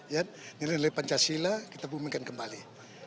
ya ini dari pancasila kita bumikan kembali